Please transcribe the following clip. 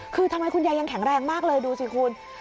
คือทำไมคุณยายยังแข็งแรงมากเลยดูสิคุณ